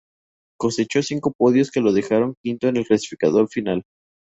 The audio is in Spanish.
Cosechó cinco podios que lo dejaron quinto en el clasificador final.